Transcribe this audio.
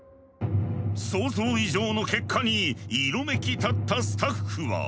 想像以上の結果に色めきたったスタッフは。